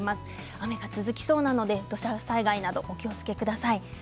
雨が続きそうなので土砂災害などお気をつけください。